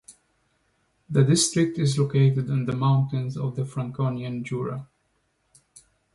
The district is located in the mountains of the Franconian Jura.